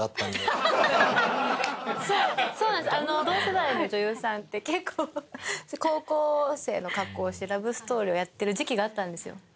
同世代の女優さんって結構高校生の格好をしてラブストーリーをやってる時期があったんですよ。